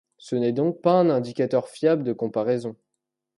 Ce n’est donc pas un indicateur fiable de comparaison.